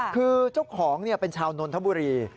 คือเจ้าของเป็นชาวนนทบุรี